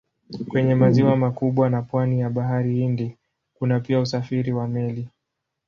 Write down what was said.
Kwenye maziwa makubwa na pwani ya Bahari Hindi kuna pia usafiri wa meli.